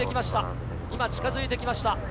近づいてきました。